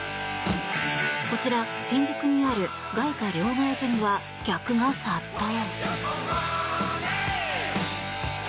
こちら、新宿にある外貨両替所には客が殺到。